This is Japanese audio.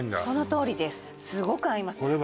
そのとおりですすごく合います